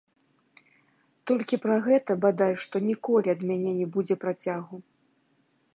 Толькі пра гэта бадай што ніколі ад мяне не будзе працягу.